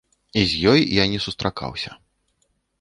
І з ёй я не сустракаўся.